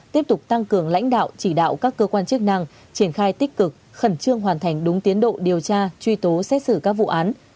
tiếp tục tăng cường lãnh đạo chỉ đạo các cơ quan chức năng triển khai tích cực khẩn trương hoàn thành đúng tiến độ điều tra truy tố xét xử các vụ án